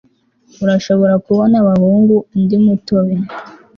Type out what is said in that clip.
urashobora kubona abahungu undi mutobe